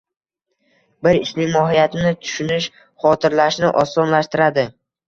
Bir ishning mohiyatini tushunish xotirlashni osonlashtiradi.